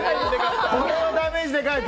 これはダメージで買い。